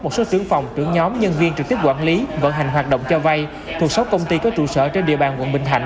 một số trưởng phòng trưởng nhóm nhân viên trực tiếp quản lý vận hành hoạt động cho vay thuộc sáu công ty có trụ sở trên địa bàn quận bình thạnh